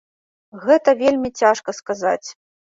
Гэта вельмі цяжка сказаць.